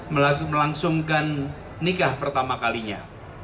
melangsungkan pengakuan negaranya